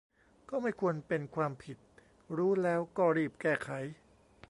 ก็ไม่ควรเป็นความผิด รู้แล้วก็รีบแก้ไข